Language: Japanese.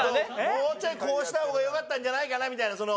もうちょいこうした方がよかったんじゃないかなみたいなその。